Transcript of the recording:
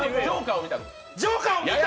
ジョカーを見た。